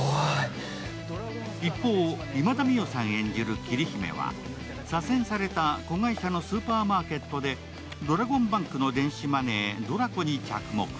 一方、今田美桜さん演じる桐姫は、左遷された子会社のスーパーマーケットでドラゴンバンクの電子マネー・ドラコに着目。